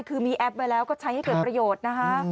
คือมีแอปไว้แล้วก็ใช้ให้เกิดประโยชน์นะคะ